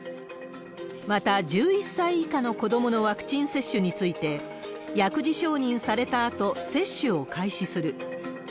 また、１１歳以下の子どものワクチン接種について、薬事承認されたあと、接種を開始する。